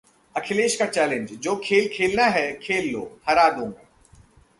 अखिलेश का चैलेंज, जो खेल खेलना है खेल लो, हरा दूंगा